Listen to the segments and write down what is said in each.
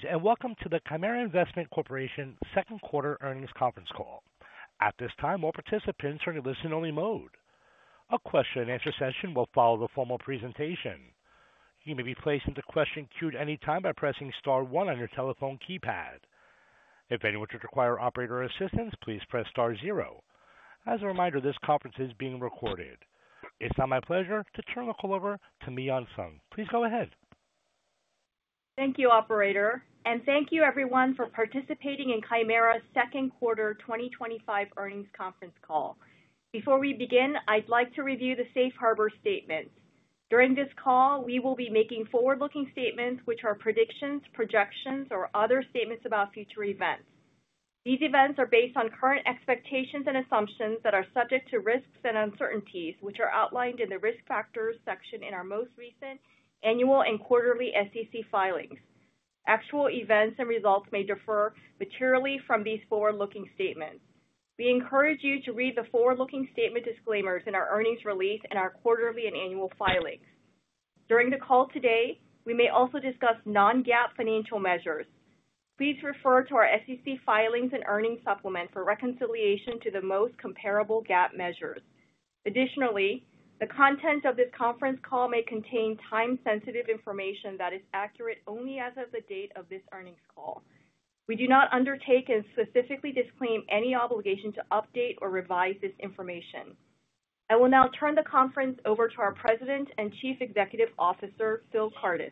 Greetings and welcome to the Chimera Investment Corporation Second Quarter Earnings Conference Call. At this time, all participants are in a listen-only mode. A question-and-answer session will follow the formal presentation. You may be placed into question queue at any time by pressing star one on your telephone keypad. If anyone should require operator assistance, please press star zero. As a reminder, this conference is being recorded. It's now my pleasure to turn the call over to Miyun Sung. Please go ahead. Thank you, operator, and thank you, everyone, for participating in Chimera Second Quarter 2025 Earnings Conference Call. Before we begin, I'd like to review the safe harbor statement. During this call, we will be making forward-looking statements, which are predictions, projections, or other statements about future events. These events are based on current expectations and assumptions that are subject to risks and uncertainties, which are outlined in the risk factors section in our most recent annual and quarterly SEC filings. Actual events and results may differ materially from these forward-looking statements. We encourage you to read the forward-looking statement disclaimers in our earnings release and our quarterly and annual filings. During the call today, we may also discuss non-GAAP financial measures. Please refer to our SEC filings and earnings supplement for reconciliation to the most comparable GAAP measures. Additionally, the content of this conference call may contain time-sensitive information that is accurate only as of the date of this earnings call. We do not undertake and specifically disclaim any obligation to update or revise this information. I will now turn the conference over to our President and Chief Executive Officer, Phil Kardis.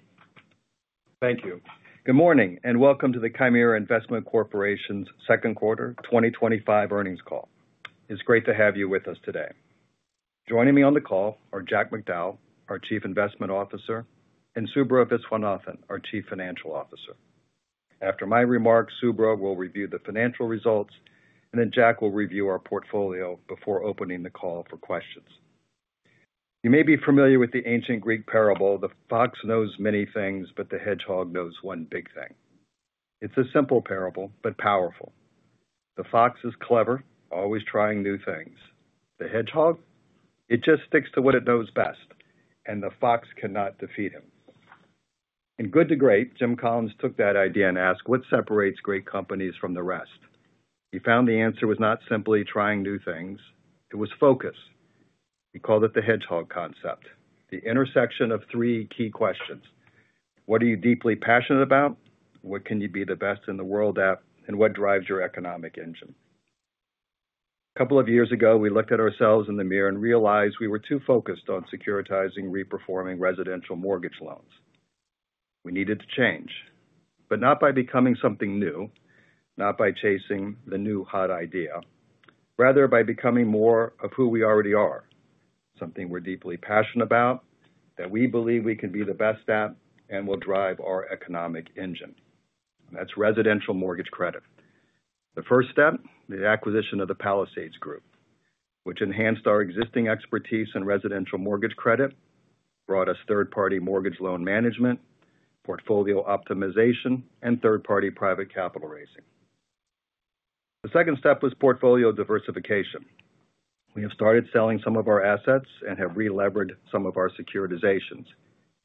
Thank you. Good morning and welcome to the Chimera Investment Corporation's Second Quarter 2025 Earnings Call. It's great to have you with us today. Joining me on the call are Jack Macdowell, our Chief Investment Officer, and Subra Viswanathan, our Chief Financial Officer. After my remarks, Subra will review the financial results, and then Jack will review our portfolio before opening the call for questions. You may be familiar with the ancient Greek parable, "The fox knows many things, but the hedgehog knows one big thing." It's a simple parable, but powerful. The fox is clever, always trying new things. The hedgehog, it just sticks to what it knows best, and the fox cannot defeat him. In Good to Great, Jim Collins took that idea and asked, "What separates great companies from the rest?" He found the answer was not simply trying new things; it was focus. He called it the hedgehog concept, the intersection of three key questions. What are you deeply passionate about? What can you be the best in the world at? And what drives your economic engine? A couple of years ago, we looked at ourselves in the mirror and realized we were too focused on securitizing reperforming mortgage loans. We needed to change, not by becoming something new, not by chasing the new hot idea, rather by becoming more of who we already are, something we're deeply passionate about, that we believe we can be the best at, and will drive our economic engine. That's residential mortgage credit. The first step, the acquisition of the Palisades Group, which enhanced our existing expertise in residential mortgage credit, brought us third-party mortgage loan management, portfolio optimization, and third-party private capital raising. The second step was portfolio diversification. We have started selling some of our assets and have re-levered some of our securitizations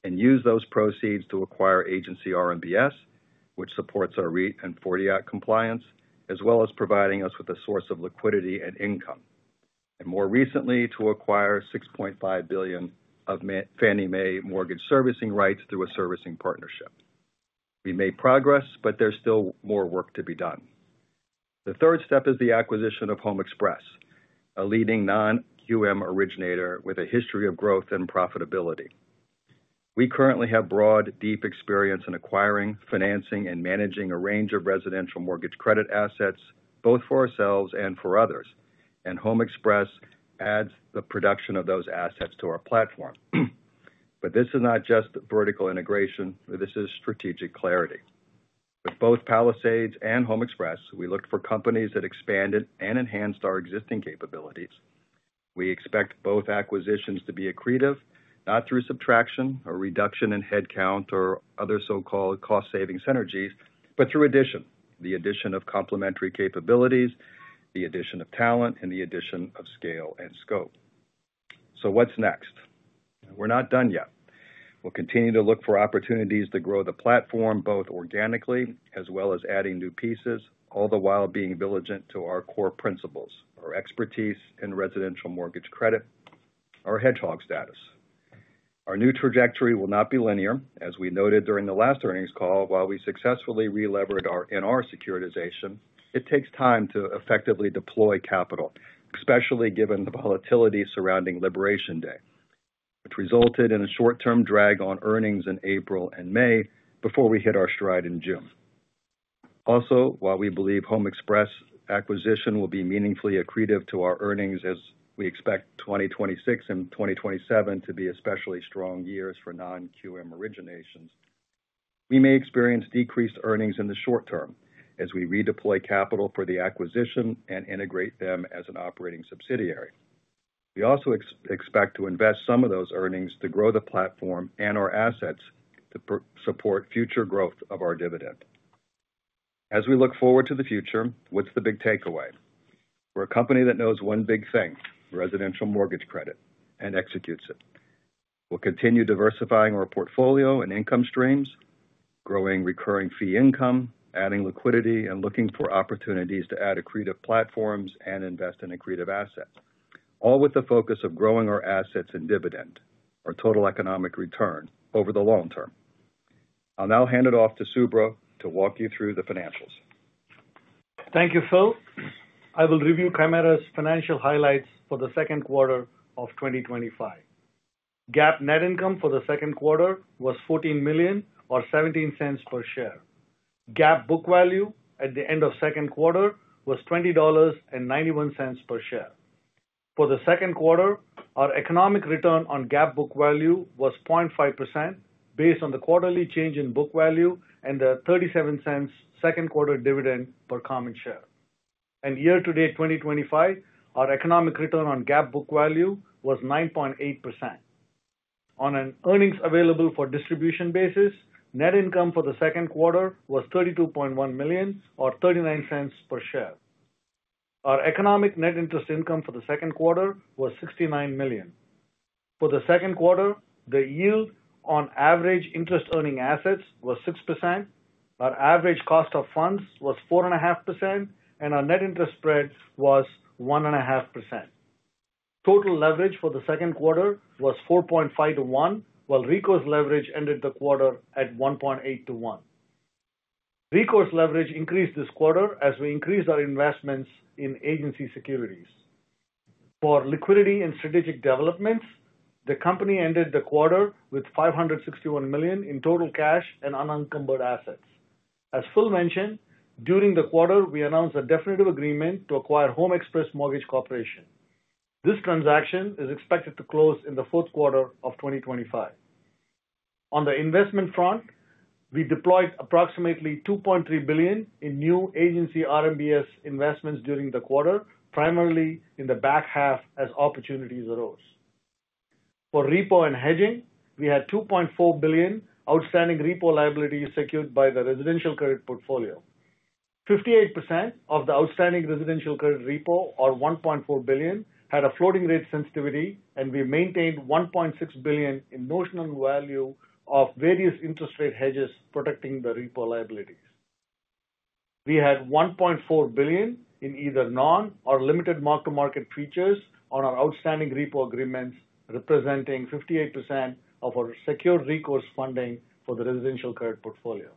and used those proceeds to acquire agency RMBS, which supports our REIT compliance, as well as providing us with a source of liquidity and income. More recently, to acquire $6.5 billion of Fannie Mae mortgage servicing rights through a servicing partnership. We've made progress, but there's still more work to be done. The third step is the acquisition of HomeXpress, a leading non-QM originator with a history of growth and profitability. We currently have broad, deep experience in acquiring, financing, and managing a range of residential mortgage credit assets, both for ourselves and for others, and HomeXpress adds the production of those assets to our platform. This is not just vertical integration; this is strategic clarity. With both Palisades and HomeXpress, we looked for companies that expanded and enhanced our existing capabilities. We expect both acquisitions to be accretive, not through subtraction or reduction in headcount or other so-called cost-saving synergies, but through addition, the addition of complementary capabilities, the addition of talent, and the addition of scale and scope. What's next? We're not done yet. We will continue to look for opportunities to grow the platform both organically as well as adding new pieces, all the while being diligent to our core principles, our expertise in residential mortgage credit, and our hedgehog status. Our new trajectory will not be linear. As we noted during the last earnings call, while we successfully re-levered our NR securitization, it takes time to effectively deploy capital, especially given the volatility surrounding Liberation Day, which resulted in a short-term drag on earnings in April and May before we hit our stride in June. Also, while we believe the HomeXpress acquisition will be meaningfully accretive to our earnings, as we expect 2026 and 2027 to be especially strong years for non-QM originations, we may experience decreased earnings in the short term as we redeploy capital for the acquisition and integrate them as an operating subsidiary. We also expect to invest some of those earnings to grow the platform and our assets to support future growth of our dividend. As we look forward to the future, what's the big takeaway? We're a company that knows one big thing: residential mortgage credit, and executes it. We will continue diversifying our portfolio and income streams, growing recurring fee income, adding liquidity, and looking for opportunities to add accretive platforms and invest in accretive assets, all with the focus of growing our assets and dividend, our total economic return over the long term. I'll now hand it off to Subra to walk you through the financials. Thank you, Phil. I will review Chimera's financial highlights for the second quarter of 2025. GAAP net income for the second quarter was $14 million or $0.17 per share. GAAP book value at the end of the second quarter was $20.91 per share. For the second quarter, our economic return on GAAP book value was 0.5% based on the quarterly change in book value and the $0.37 second quarter dividend per common share. Year to date 2025, our economic return on GAAP book value was 9.8%. On an earnings available for distribution basis, net income for the second quarter was $32.1 million or $0.39 per share. Our economic net interest income for the second quarter was $69 million. For the second quarter, the yield on average interest earning assets was 6%, our average cost of funds was 4.5%, and our net interest spread was 1.5%. Total leverage for the second quarter was 4.5x to one, while recourse leverage ended the quarter at 1.8x to one. recourse leverage increased this quarter as we increased our investments in agency securities. For liquidity and strategic developments, the company ended the quarter with $561 million in total cash and unencumbered assets. As Phil mentioned, during the quarter, we announced a definitive agreement to acquire HomeXpress Mortgage Corporation. This transaction is expected to close in the fourth quarter of 2025. On the investment front, we deployed approximately $2.3 billion in new agency RMBS investments during the quarter, primarily in the back half as opportunities arose. For repo and hedging, we had $2.4 billion outstanding repo liabilities secured by the residential credit portfolio. 58% of the outstanding residential credit repo, or $1.4 billion, had a floating rate sensitivity, and we maintained $1.6 billion in notional value of various interest rate hedges protecting the repo liabilities. We had $1.4 billion in either non or limited mark-to-market features on our outstanding repo agreements, representing 58% of our secured recourse funding for the residential credit portfolio.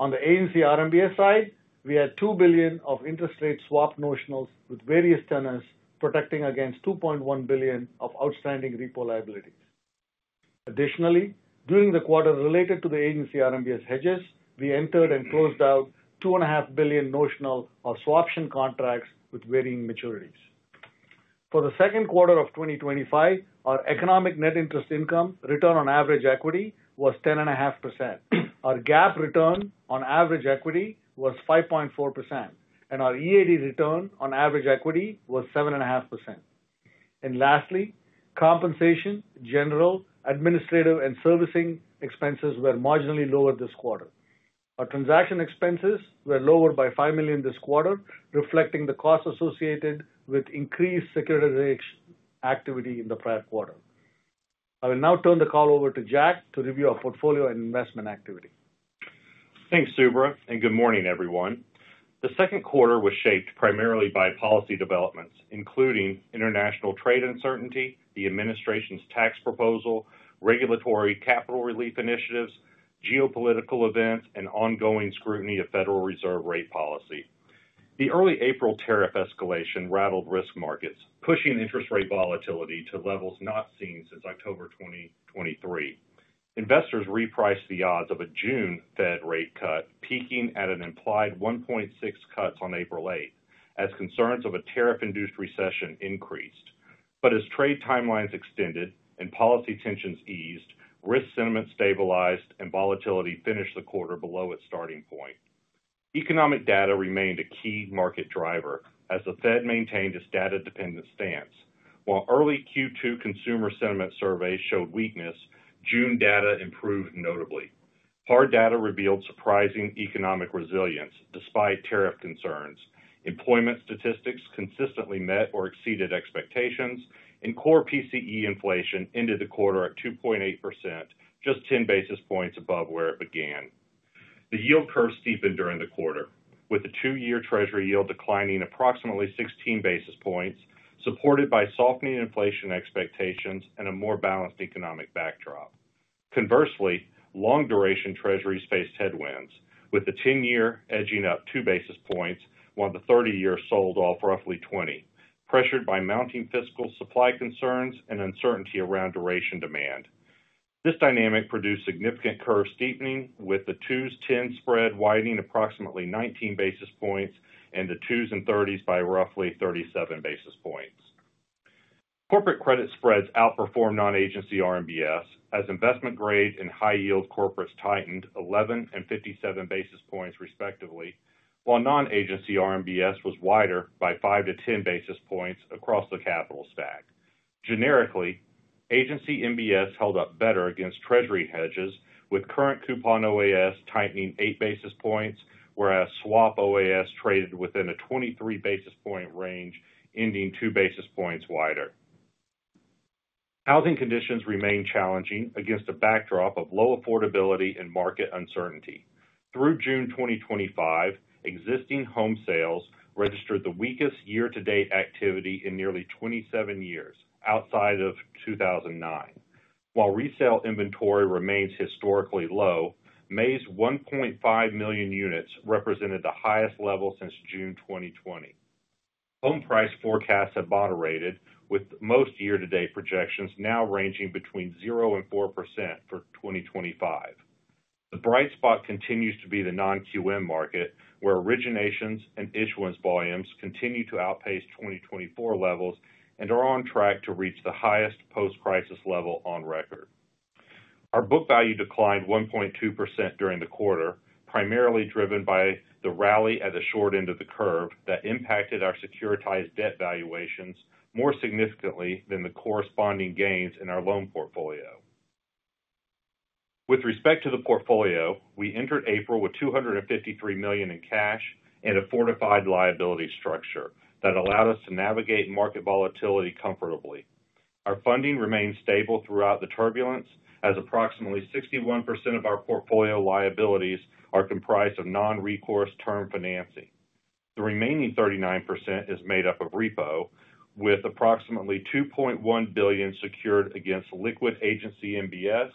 On the agency RMBS side, we had $2 billion of interest rate swap notionals with various tenors protecting against $2.1 billion of outstanding repo liabilities. Additionally, during the quarter related to the agency RMBS hedges, we entered and closed out $2.5 billion notional of swaption contracts with varying maturities. For the second quarter of 2025, our economic net interest income return on average equity was 10.5%. Our GAAP return on average equity was 5.4%, and our EAD return on average equity was 7.5%. Lastly, compensation, general, administrative, and servicing expenses were marginally lower this quarter. Our transaction expenses were lower by $5 million this quarter, reflecting the costs associated with increased securitization activity in the prior quarter. I will now turn the call over to Jack to review our portfolio and investment activity. Thanks, Subra, and good morning, everyone. The second quarter was shaped primarily by policy developments, including international trade uncertainty, the administration's tax proposal, regulatory capital relief initiatives, geopolitical events, and ongoing scrutiny of Federal Reserve rate policy. The early April tariff escalation rattled risk markets, pushing interest rate volatility to levels not seen since October 2023. Investors repriced the odds of a June Fed rate cut, peaking at an implied 1.6 cuts on April 8, as concerns of a tariff-induced recession increased. As trade timelines extended and policy tensions eased, risk sentiment stabilized and volatility finished the quarter below its starting point. Economic data remained a key market driver as the Fed maintained its data-dependent stance. While early Q2 consumer sentiment surveys showed weakness, June data improved notably. Hard data revealed surprising economic resilience despite tariff concerns. Employment statistics consistently met or exceeded expectations, and core PCE inflation ended the quarter at 2.8%, just 10 basis points above where it began. The yield curve steepened during the quarter, with the two-year Treasury yield declining approximately 16 basis points, supported by softening inflation expectations and a more balanced economic backdrop. Conversely, long-duration Treasuries faced headwinds, with the 10-year edging up 2 basis points, while the 30-year sold off roughly 20, pressured by mounting fiscal supply concerns and uncertainty around duration demand. This dynamic produced significant curve steepening, with the 2s-10 spread widening approximately 19 basis points and the 2s and 30s by roughly 37 basis points. Corporate credit spreads outperformed non-agency RMBS as investment-grade and high-yield corporates tightened 11 and 57 basis points respectively, while non-agency RMBS was wider by 5 basis points-10 basis points across the capital stack. Generically, agency RMBS held up better against Treasury hedges, with current coupon OAS tightening 8 basis points, whereas swap OAS traded within a 23 basis points range, ending 2 basis points wider. Housing conditions remain challenging against a backdrop of low affordability and market uncertainty. Through June 2025, existing home sales registered the weakest year-to-date activity in nearly 27 years, outside of 2009. While resale inventory remains historically low, May's 1.5 million units represented the highest level since June 2020. Home price forecasts have moderated, with most year-to-date projections now ranging between 0% and 4% for 2025. The bright spot continues to be the non-QM market, where originations and issuance volumes continue to outpace 2024 levels and are on track to reach the highest post-crisis level on record. Our book value declined 1.2% during the quarter, primarily driven by the rally at the short end of the curve that impacted our securitized debt valuations more significantly than the corresponding gains in our loan portfolio. With respect to the portfolio, we entered April with $253 million in cash and a fortified liability structure that allowed us to navigate market volatility comfortably. Our funding remained stable throughout the turbulence, as approximately 61% of our portfolio liabilities are comprised of non-recourse term financing. The remaining 39% is made up of repo, with approximately $2.1 billion secured against liquid agency RMBS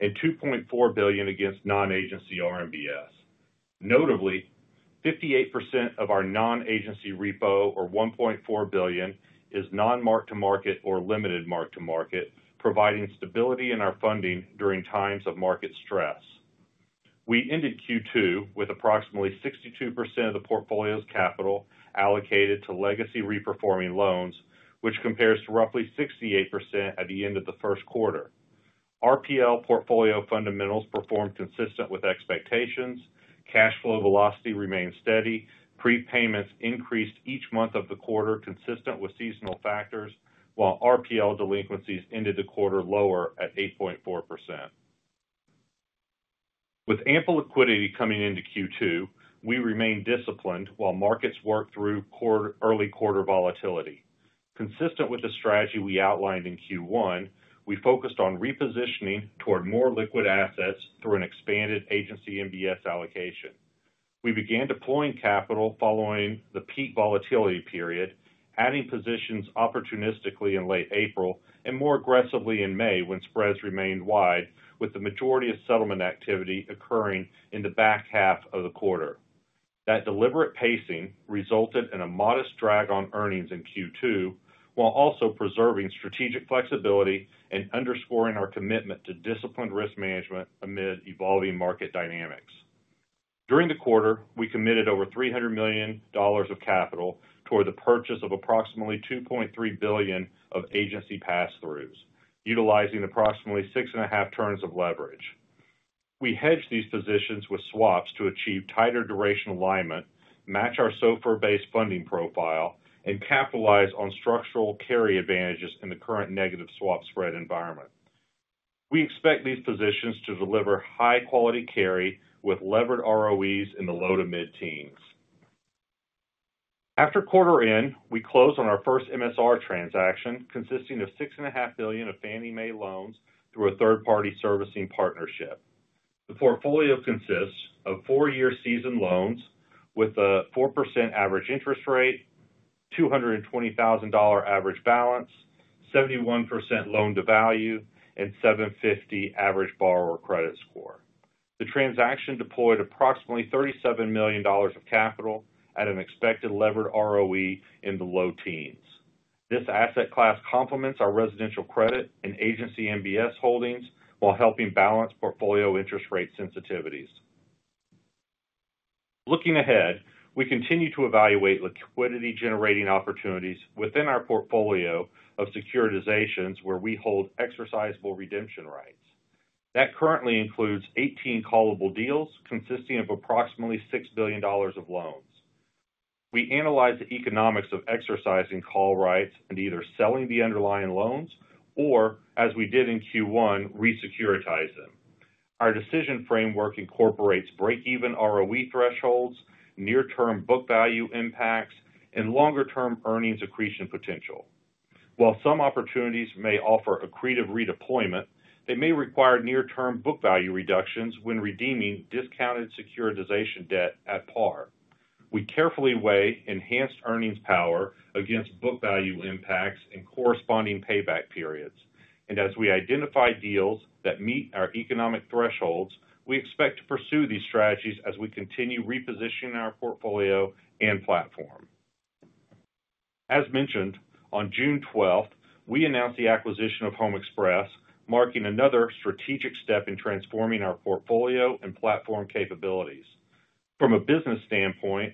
and $2.4 billion against non-agency RMBS. Notably, 58% of our non-agency repo, or $1.4 billion, is non-mark-to-market or limited mark-to-market, providing stability in our funding during times of market stress. We ended Q2 with approximately 62% of the portfolio's capital allocated to legacy reperforming mortgage loans, which compares to roughly 68% at the end of the first quarter. RPL portfolio fundamentals performed consistent with expectations. Cash flow velocity remained steady. Prepayments increased each month of the quarter, consistent with seasonal factors, while RPL delinquencies ended the quarter lower at 8.4%. With ample liquidity coming into Q2, we remained disciplined while markets worked through early quarter volatility. Consistent with the strategy we outlined in Q1, we focused on repositioning toward more liquid assets through an expanded agency RMBS allocation. We began deploying capital following the peak volatility period, adding positions opportunistically in late April and more aggressively in May when spreads remained wide, with the majority of settlement activity occurring in the back half of the quarter. That deliberate pacing resulted in a modest drag on earnings in Q2, while also preserving strategic flexibility and underscoring our commitment to disciplined risk management amid evolving market dynamics. During the quarter, we committed over $300 million of capital toward the purchase of approximately $2.3 billion of agency pass-throughs, utilizing approximately six and a half turns of leverage. We hedged these positions with swaps to achieve tighter duration alignment, match our SOFR-based funding profile, and capitalize on structural carry advantages in the current negative swap spread environment. We expect these positions to deliver high-quality carry with levered ROEs in the low to mid-teens. After quarter end, we closed on our first MSR transaction, consisting of $6.5 billion of Fannie Mae loans through a third-party servicing partnership. The portfolio consists of four-year seasoned loans with a 4% average interest rate, $220,000 average balance, 71% loan-to-value, and $750 average borrower credit score. The transaction deployed approximately $37 million of capital at an expected levered ROE in the low teens. This asset class complements our residential credit and agency RMBS holdings while helping balance portfolio interest rate sensitivities. Looking ahead, we continue to evaluate liquidity-generating opportunities within our portfolio of securitizations where we hold exercisable redemption rights. That currently includes 18 callable deals consisting of approximately $6 billion of loans. We analyze the economics of exercising call rights and either selling the underlying loans or, as we did in Q1, resecuritizing them. Our decision framework incorporates break-even ROE thresholds, near-term book value impacts, and longer-term earnings accretion potential. While some opportunities may offer accretive redeployment, they may require near-term book value reductions when redeeming discounted securitization debt at par. We carefully weigh enhanced earnings power against book value impacts and corresponding payback periods. As we identify deals that meet our economic thresholds, we expect to pursue these strategies as we continue repositioning our portfolio and platform. As mentioned, on June 12th, we announced the acquisition of HomeXpress, marking another strategic step in transforming our portfolio and platform capabilities. From a business standpoint,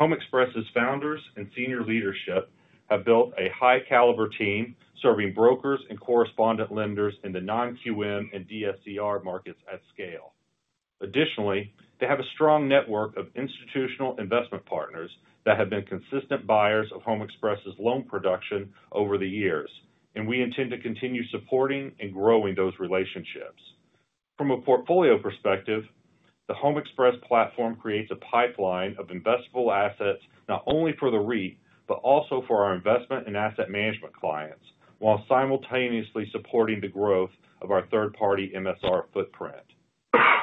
HomeXpress' founders and senior leadership have built a high-caliber team serving brokers and correspondent lenders in the non-QM and DSCR markets at scale. Additionally, they have a strong network of institutional investment partners that have been consistent buyers of HomeXpress' loan production over the years, and we intend to continue supporting and growing those relationships. From a portfolio perspective, the HomeXpress platform creates a pipeline of investable assets not only for the REIT but also for our investment and asset management clients, while simultaneously supporting the growth of our third-party MSR footprint.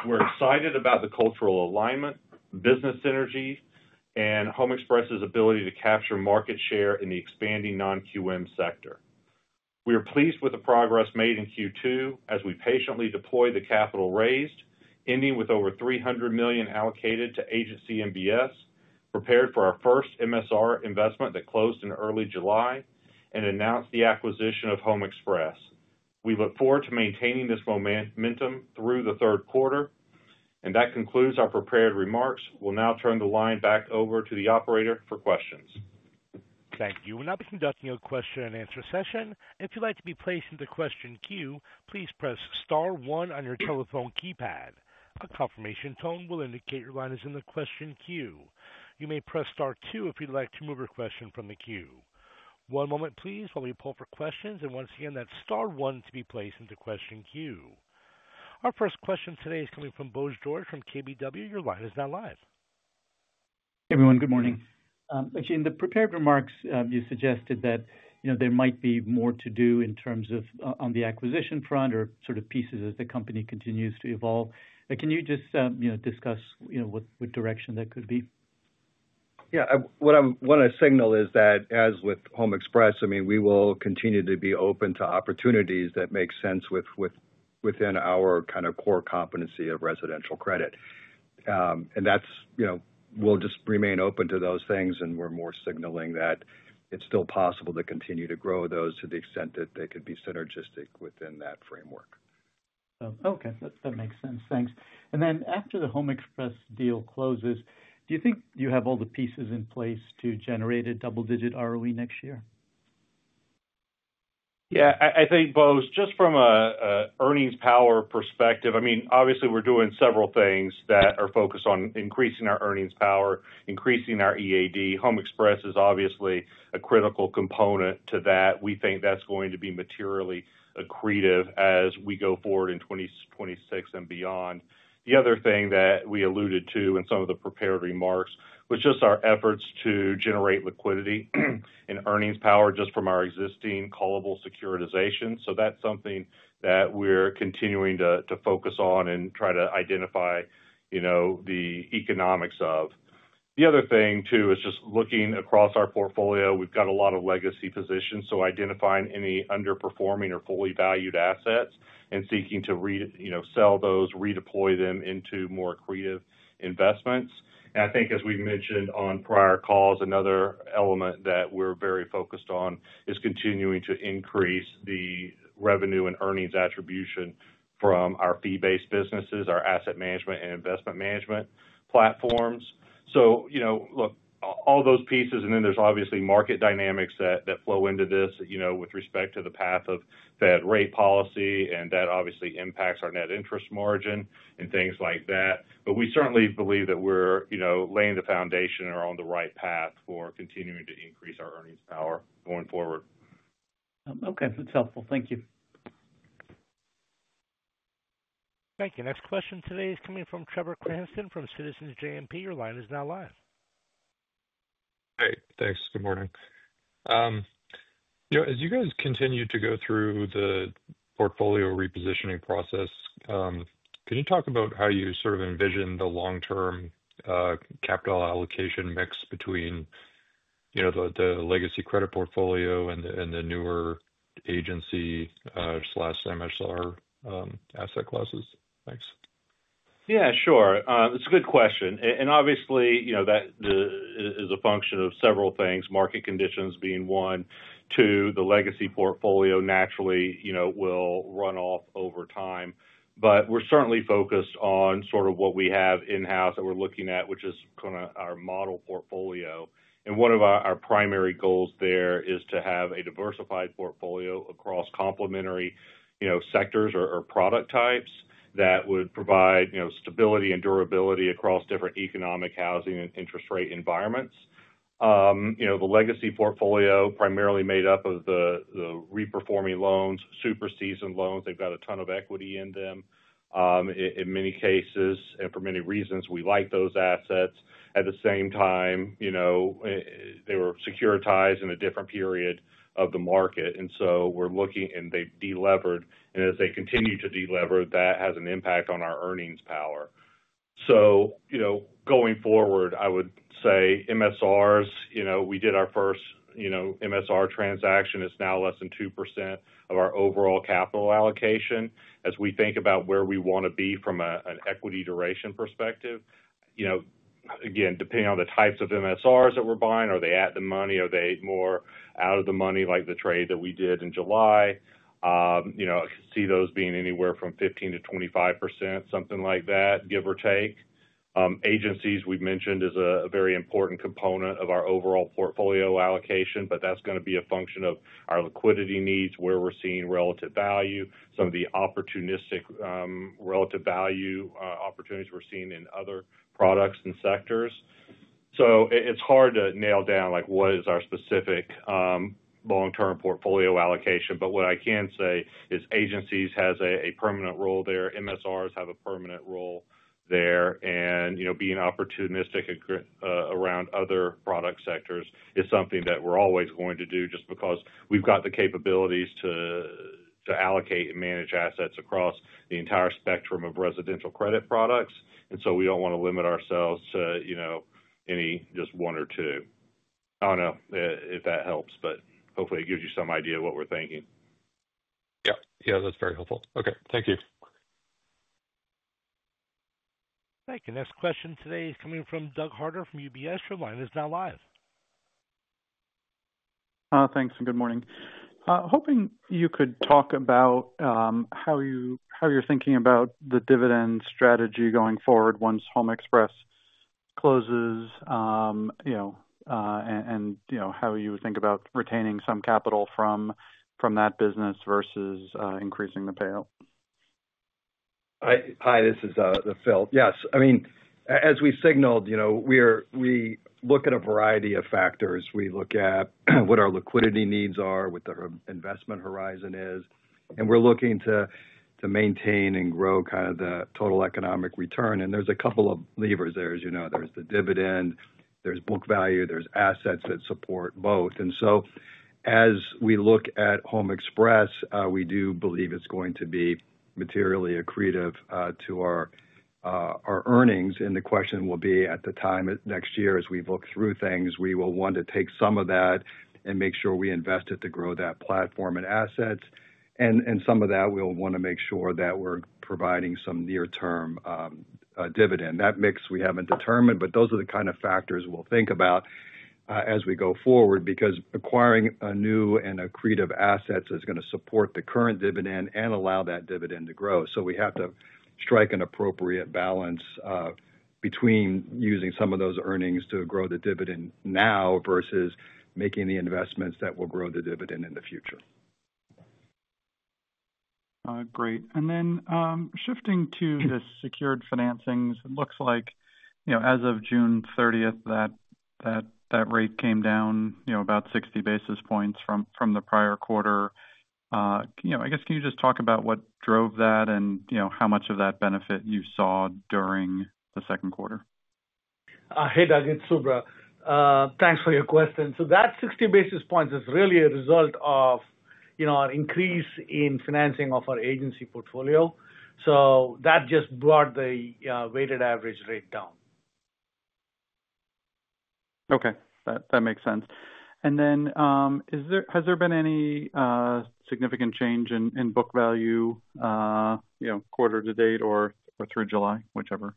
We're excited about the cultural alignment, business synergies, and HomeXpress' ability to capture market share in the expanding non-QM sector. We are pleased with the progress made in Q2 as we patiently deploy the capital raised, ending with over $300 million allocated to agency RMBS, prepared for our first MSR investment that closed in early July, and announced the acquisition of HomeXpress. We look forward to maintaining this momentum through the third quarter. That concludes our prepared remarks. We'll now turn the line back over to the operator for questions. Thank you. We're now conducting a question-and-answer session. If you'd like to be placed into the question queue, please press star one on your telephone keypad. A confirmation tone will indicate your line is in the question queue. You may press star two if you'd like to remove your question from the queue. One moment, please, while we poll for questions. Once again, that's star one to be placed into the question queue. Our first question today is coming from Bose George from KBW. Your line is now live. Hey, everyone. Good morning. In the prepared remarks, you suggested that there might be more to do in terms of on the acquisition front or sort of pieces as the company continues to evolve. Can you just discuss what direction that could be? What I want to signal is that, as with HomeXpress, we will continue to be open to opportunities that make sense within our kind of core competency of residential mortgage credit. That's, you know, we'll just remain open to those things, and we're more signaling that it's still possible to continue to grow those to the extent that they could be synergistic within that framework. OK, that makes sense. Thanks. After the HomeXpress deal closes, do you think you have all the pieces in place to generate a double-digit ROE next year? Yeah, I think, Bose, just from an earnings power perspective, I mean, obviously, we're doing several things that are focused on increasing our earnings power, increasing our EAD. HomeXpress is obviously a critical component to that. We think that's going to be materially accretive as we go forward in 2026 and beyond. The other thing that we alluded to in some of the prepared remarks was just our efforts to generate liquidity and earnings power just from our existing callable securitization. That's something that we're continuing to focus on and try to identify, you know, the economics of. The other thing, too, is just looking across our portfolio. We've got a lot of legacy positions, so identifying any underperforming or fully valued assets and seeking to, you know, sell those, redeploy them into more accretive investments. I think, as we mentioned on prior calls, another element that we're very focused on is continuing to increase the revenue and earnings attribution from our fee-based businesses, our asset management and investment management platforms. All those pieces, and then there's obviously market dynamics that flow into this, you know, with respect to the path of Fed rate policy, and that obviously impacts our net interest margin and things like that. We certainly believe that we're, you know, laying the foundation or on the right path for continuing to increase our earnings power going forward. OK, that's helpful. Thank you. Thank you. Next question today is coming from Trevor Cranston from Citizens JMP. Your line is now live. Hey, thanks. Good morning. As you guys continue to go through the portfolio repositioning process, can you talk about how you sort of envision the long-term capital allocation mix between the legacy credit portfolio and the newer agency RMBS, slash MSR, asset classes? Thanks. Yeah, sure. It's a good question. Obviously, that is a function of several things, market conditions being one. Two, the legacy portfolio naturally will run off over time. We're certainly focused on what we have in-house that we're looking at, which is kind of our model portfolio. One of our primary goals there is to have a diversified portfolio across complementary sectors or product types that would provide stability and durability across different economic, housing, and interest rate environments. The legacy portfolio is primarily made up of the reperforming loans, super seasoned loans. They've got a ton of equity in them, in many cases and for many reasons. We like those assets. At the same time, they were securitized in a different period of the market. We're looking, and they delevered. As they continue to delever, that has an impact on our earnings power. Going forward, I would say MSRs, we did our first MSR transaction. It's now less than 2% of our overall capital allocation. As we think about where we want to be from an equity duration perspective, again, depending on the types of MSRs that we're buying, are they at the money? Are they more out of the money, like the trade that we did in July? I see those being anywhere from 15%-25%, something like that, give or take. Agencies, we mentioned, is a very important component of our overall portfolio allocation, but that's going to be a function of our liquidity needs, where we're seeing relative value, some of the opportunistic relative value opportunities we're seeing in other products and sectors. It's hard to nail down what is our specific long-term portfolio allocation. What I can say is agencies have a permanent role there. MSRs have a permanent role there. Being opportunistic around other product sectors is something that we're always going to do just because we've got the capabilities to allocate and manage assets across the entire spectrum of residential credit products. We don't want to limit ourselves to any just one or two. I don't know if that helps, but hopefully, it gives you some idea of what we're thinking. Yeah, that's very helpful. OK, thank you. Thank you. Next question today is coming from Doug Harter from UBS. Your line is now live. Thanks, and good morning. Hoping you could talk about how you're thinking about the dividend strategy going forward once HomeXpress closes, and how you would think about retaining some capital from that business versus increasing the payout. Hi, this is Phil. As we signaled, we look at a variety of factors. We look at what our liquidity needs are, what our investment horizon is, and we're looking to maintain and grow the total economic return. There are a couple of levers there, as you know. There's the dividend, there's book value, there's assets that support both. As we look at HomeXpress, we do believe it's going to be materially accretive to our earnings. The question will be, at the time next year, as we look through things, we will want to take some of that and make sure we invest it to grow that platform and assets. Some of that, we'll want to make sure that we're providing some near-term dividend. That mix, we haven't determined, but those are the kind of factors we'll think about as we go forward because acquiring new and accretive assets is going to support the current dividend and allow that dividend to grow. We have to strike an appropriate balance between using some of those earnings to grow the dividend now versus making the investments that will grow the dividend in the future. Great. Shifting to the secured financings, it looks like as of June 30th, that rate came down about 60 basis points from the prior quarter. Can you just talk about what drove that and how much of that benefit you saw during the second quarter? Hey, Doug. It's Subra. Thanks for your question. That 60 basis points is really a result of our increase in financing of our agency portfolio. That just brought the weighted average rate down. OK, that makes sense. Has there been any significant change in book value, you know, quarter to date or through July, whichever?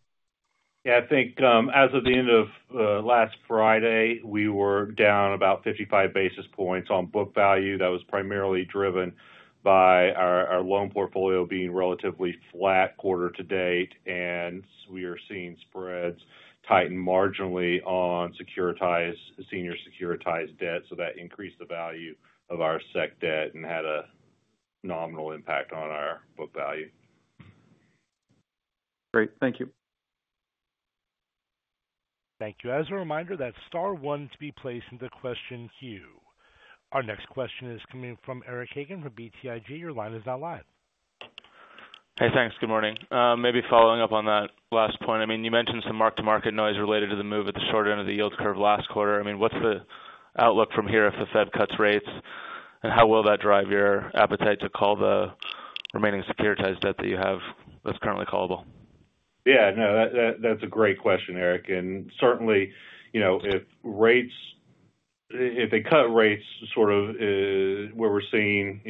Yeah, I think, as of the end of last Friday, we were down about 55 basis points on book value. That was primarily driven by our loan portfolio being relatively flat quarter to date. We are seeing spreads tighten marginally on senior securitized debt. That increased the value of our securitized debt and had a nominal impact on our book value. Great, thank you. Thank you. As a reminder, that's star one to be placed into question queue. Our next question is coming from Eric Hagen from BTIG. Your line is now live. Hey, thanks. Good morning. Maybe following up on that last point, you mentioned some mark-to-market noise related to the move at the short end of the yield curve last quarter. What's the outlook from here if the Fed cuts rates? How will that drive your appetite to call the remaining securitized debt that you have that's currently callable? Yeah, that's a great question, Eric. Certainly, if they cut rates sort of where we're seeing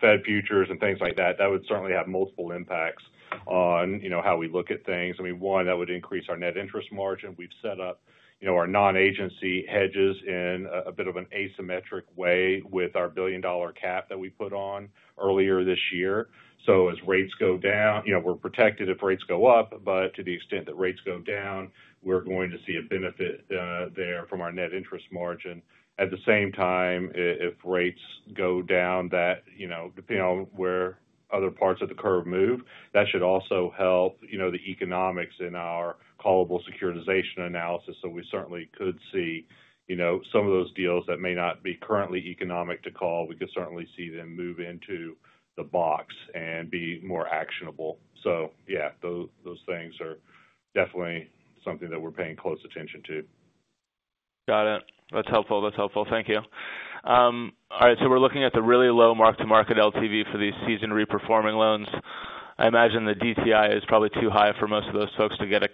Fed futures and things like that, that would certainly have multiple impacts on how we look at things. I mean, one, that would increase our net interest margin. We've set up our non-agency hedges in a bit of an asymmetric way with our $1 billion cap that we put on earlier this year. As rates go down, we're protected if rates go up. To the extent that rates go down, we're going to see a benefit there from our net interest margin. At the same time, if rates go down, depending on where other parts of the curve move, that should also help the economics in our callable securitization analysis. We certainly could see some of those deals that may not be currently economic to call move into the box and be more actionable. Those things are definitely something that we're paying close attention to. Got it. That's helpful. Thank you. All right, so we're looking at the really low mark-to-market LTV for these seasoned reperforming loans. I imagine the DTI is probably too high for most of those folks to get a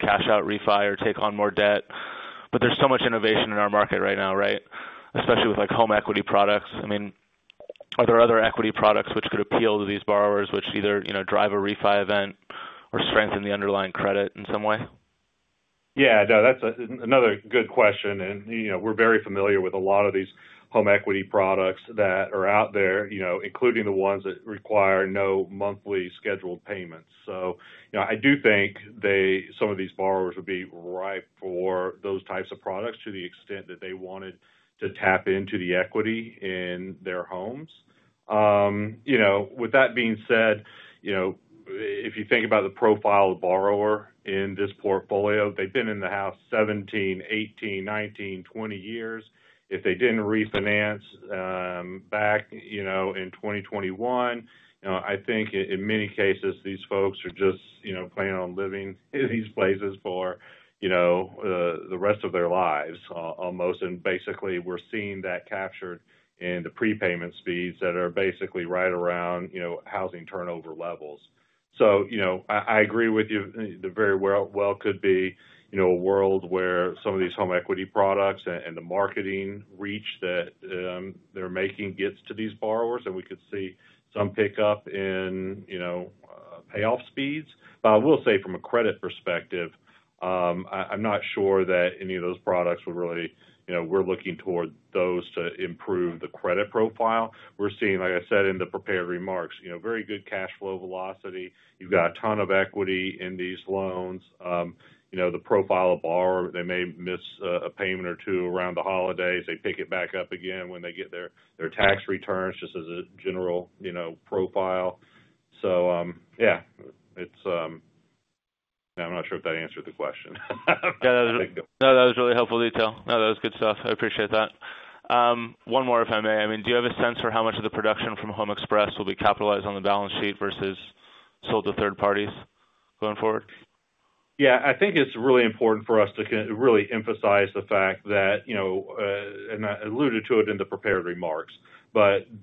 cash-out refi or take on more debt. There's so much innovation in our market right now, especially with, like, home equity products. I mean, are there other equity products which could appeal to these borrowers, which either drive a refi event or strengthen the underlying credit in some way? Yeah, that's another good question. We're very familiar with a lot of these home equity products that are out there, including the ones that require no monthly scheduled payments. I do think some of these borrowers would be ripe for those types of products to the extent that they wanted to tap into the equity in their homes. With that being said, if you think about the profile of the borrower in this portfolio, they've been in the house 17 years, 18 years, 19 years, 20 years. If they didn't refinance back in 2021, I think in many cases, these folks are just planning on living in these places for the rest of their lives almost. We're seeing that captured in the prepayment speeds that are basically right around housing turnover levels. I agree with you. There very well could be a world where some of these home equity products and the marketing reach that they're making gets to these borrowers. We could see some pickup in payoff speeds. I will say, from a credit perspective, I'm not sure that any of those products would really, we're looking toward those to improve the credit profile. We're seeing, like I said in the prepared remarks, very good cash flow velocity. You've got a ton of equity in these loans. The profile of borrowers, they may miss a payment or two around the holidays. They pick it back up again when they get their tax returns, just as a general profile. I'm not sure if that answered the question. No, that was really helpful detail. That was good stuff. I appreciate that. One more, if I may. Do you have a sense for how much of the production from HomeXpress will be capitalized on the balance sheet versus sold to third parties going forward? Yeah, I think it's really important for us to really emphasize the fact that, you know, and I alluded to it in the prepared remarks.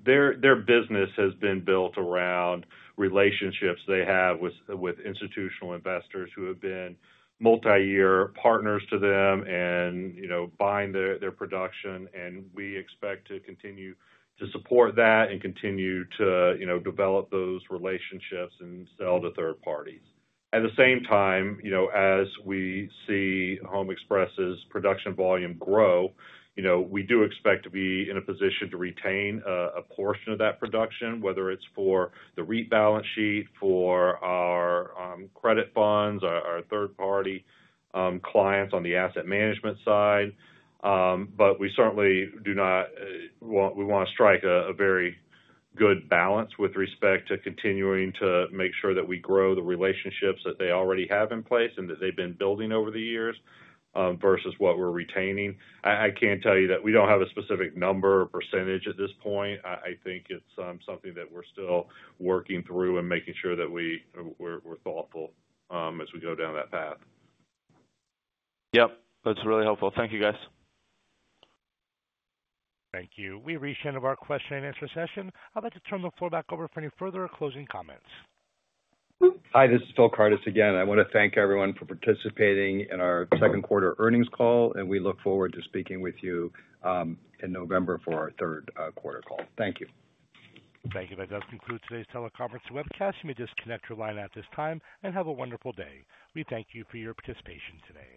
Their business has been built around relationships they have with institutional investors who have been multi-year partners to them and, you know, buying their production. We expect to continue to support that and continue to, you know, develop those relationships and sell to third parties. At the same time, as we see HomeXpress' production volume grow, we do expect to be in a position to retain a portion of that production, whether it's for the REIT balance sheet, for our credit funds, or our third-party clients on the asset management side. We certainly do not want, we want to strike a very good balance with respect to continuing to make sure that we grow the relationships that they already have in place and that they've been building over the years versus what we're retaining. I can't tell you that we don't have a specific number or percentage at this point. I think it's something that we're still working through and making sure that we're thoughtful as we go down that path. Yep, that's really helpful. Thank you, guys. Thank you. We reached the end of our question-and-answer session. I'd like to turn the floor back over for any further or closing comments. Hi, this is Phil Kardis again. I want to thank everyone for participating in our second quarter earnings call. We look forward to speaking with you in November for our third quarter call. Thank you. Thank you. That does conclude today's teleconference webcast. You may disconnect your line at this time and have a wonderful day. We thank you for your participation today.